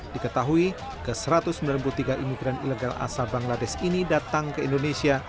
diketahui ke satu ratus sembilan puluh tiga imigran ilegal asal bangladesh ini datang ke indonesia